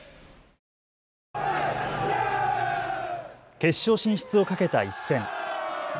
決勝進出をかけた一戦。